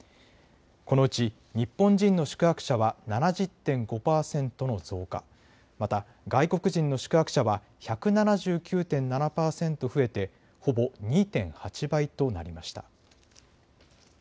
このうち日本人の宿泊者は７０．５％の増加、また外国人の宿泊者は１７９．７％増えてほぼ２．８倍となりました。